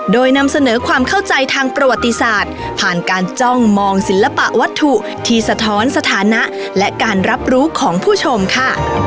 โดยนำเสนอความเข้าใจทางประวัติศาสตร์ผ่านการจ้องมองศิลปะวัตถุที่สะท้อนสถานะและการรับรู้ของผู้ชมค่ะ